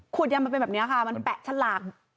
ยำมันเป็นแบบนี้ค่ะมันแปะฉลาก